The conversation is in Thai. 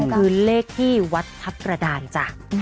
คือเลขที่วัดทัพกระดานจ้ะ